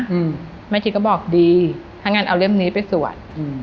อืมแม่ชีก็บอกดีถ้างั้นเอาเล่มนี้ไปสวดอืม